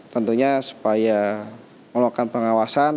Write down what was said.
tentunya supaya melakukan pengawasan